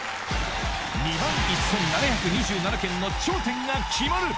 ２万１７２７件の頂点が決まる！